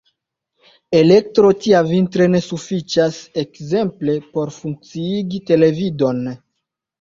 Elektro tia vintre ne sufiĉas ekzemple por funkciigi televidilon.